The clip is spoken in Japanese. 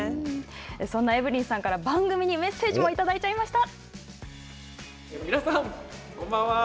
そんなエブリンさんから番組にメッセージもいただいちゃいました。